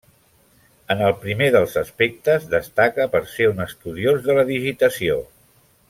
En el primer dels aspectes destaca per ser un estudiós de la digitació.